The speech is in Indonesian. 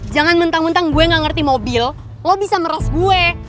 jangan mentang mentang gue gak ngerti mobil lo bisa meres gue